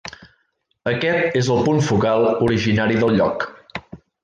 Aquest és el punt focal originari del lloc.